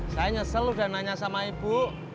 saya nyesel udah nanya sama ibu